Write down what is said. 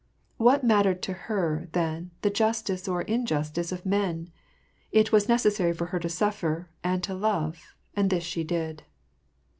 What mattered to her, then, the Justice or injustice of men ? It was necessary for her to suser and to love, and this she did.